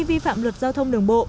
vi phạm luật giao thông đường bộ